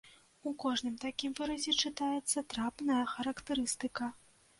У кожным такім выразе чытаецца трапная характарыстыка.